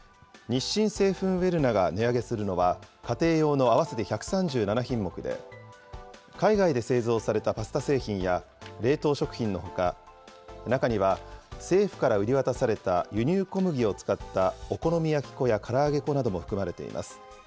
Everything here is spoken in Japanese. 日清製粉ウェルナが値上げするのは、家庭用の合わせて１３７品目で、海外で製造されたパスタ製品や冷凍食品のほか、中には政府から売り渡された輸入小麦を使ったお好み焼き粉やから揚げ粉なども含まれています。